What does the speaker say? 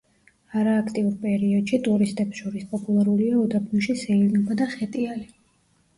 არააქტიურ პერიოდში, ტურისტებს შორის პოპულარულია უდაბნოში სეირნობა და ხეტიალი.